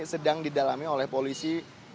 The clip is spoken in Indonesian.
sedang didalami oleh polisi